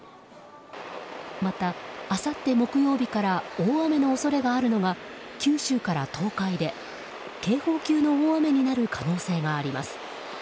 また、あさって木曜日から大雨の恐れがあるのが九州から東海で警報級の大雨になる可能性があります。